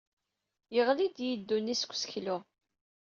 Yeɣli-d yiddew-nni seg useklu.